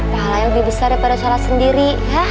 pahala yang lebih besar daripada cara sendiri